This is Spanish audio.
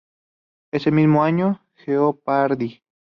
Ese mismo año, "Jeopardy!